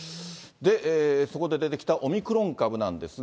そこで出てきたオミクロン株なんですが。